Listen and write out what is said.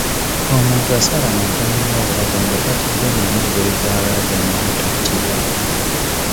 Omuntu asala muntu munne obulago nga tatiddenamu ngeri gy'alaajana obutattibwa.